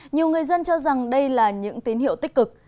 nhiều người dân cho rằng đây là những tín hiệu tích cực